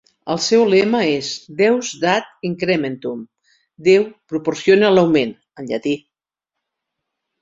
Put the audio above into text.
El seu lema és "Deus Dat Incrementum", "Déu proporciona l'augment" en llatí